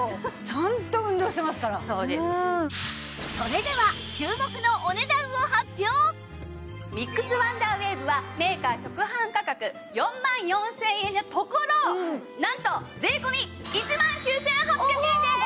それでは注目のミックスワンダーウェーブはメーカー直販価格４万４０００円のところなんと税込１万９８００円です！